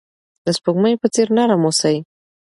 د سپوږمۍ په څیر نرم اوسئ.